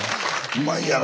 うまいやろ？